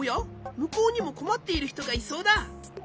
むこうにもこまっているひとがいそうだ。